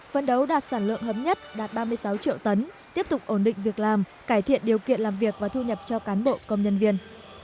phân đấu đạt sản lượng hợp nhất đạt ba mươi sáu triệu tấn tiếp tục ổn định việc làm cải thiện điều kiện làm việc và thu nhập cho cán bộ công nhân viên